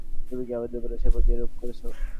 তুমিই কি আমাদের উপাস্যদের প্রতি এরূপ করেছ?